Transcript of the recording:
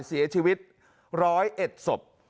เสียชีวิต๑๐๑ศพ